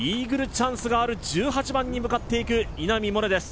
チャンスがある１８番に向かっていく稲見萌寧です。